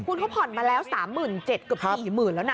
คุณเขาผ่อนมาแล้ว๓๗๐๐เกือบ๔๐๐๐แล้วนะ